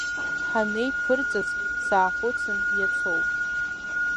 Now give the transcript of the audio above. Ҳанеиԥырҵыз, саахәыцын, иацоуп.